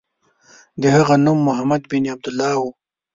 د هغه نوم محمد بن عبدالله و.